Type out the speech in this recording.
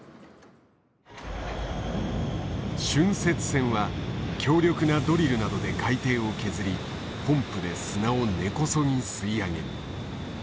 浚渫船は強力なドリルなどで海底を削りポンプで砂を根こそぎ吸い上げる。